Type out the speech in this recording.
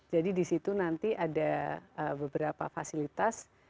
jadi disitu nanti ada beberapa fasilitas